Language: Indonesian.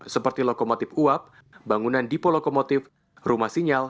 seperti lokomotif uap bangunan dipo lokomotif rumah sinyal